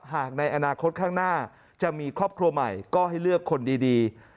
ในอนาคตข้างหน้าจะมีครอบครัวใหม่ก็ให้เลือกคนดี